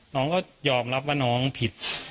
น้องก็ยอมรับว่าน้องผิด